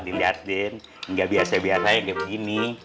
diliatin gak biasa biasanya kayak begini